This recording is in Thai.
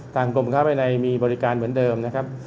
กรมค้าภายในมีบริการเหมือนเดิมนะครับ